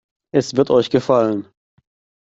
Es wird euch gefallen.